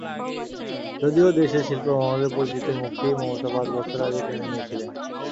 যদিও দেশের শিল্পমহলের পরিচিত মুখকেই মমতা পাঁচ বছর আগে টেনে নিয়েছিলেন।